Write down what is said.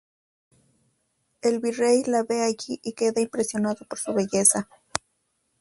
El Virrey la ve allí y queda impresionado por su belleza.